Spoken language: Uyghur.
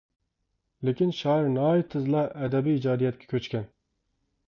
لېكىن شائىر ناھايىتى تېزلا ئەدەبىي ئىجادىيەتكە كۆچكەن.